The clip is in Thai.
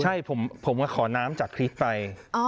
ใช่ผมก็ขอน้ำจากพริกไป